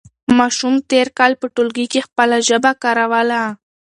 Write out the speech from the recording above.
ماشوم تېر کال په ټولګي کې خپله ژبه کاروله.